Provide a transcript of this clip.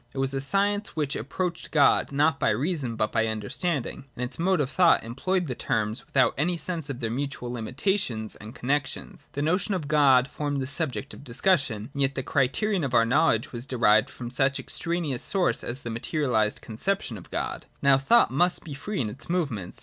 It was a science which approached God not by reason but by understanding, and, in its mode of thought, employed the terms vi?ithout any sense of their mutual limi tations and connexions. The notion of God formed the subject of discussion ; and yet the criterion of our know ledge was derived from such an extraneous source as the materialised conception of God. Now thought must be free in its movements.